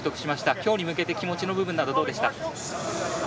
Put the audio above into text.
今日に向けて、気持ちの部分などどうでした？